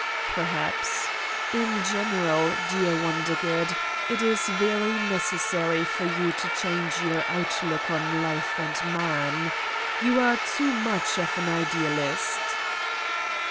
"Perhaps. In general, dear Wondergood, it is very necessary for you to change your outlook on life and man. You are too much of an idealist."